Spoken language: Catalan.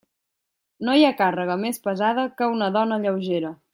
No hi ha càrrega més pesada que una dona lleugera.